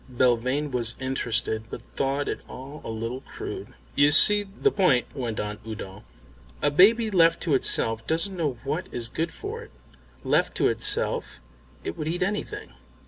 Belvane was interested, but thought it all a little crude. "You see the point," went on Udo. "A baby left to itself doesn't know what is good for it. Left to itself it would eat anything.